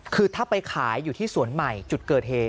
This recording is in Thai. คือถ้าไปขายอยู่ที่สวนใหม่จุดเกิดเหตุ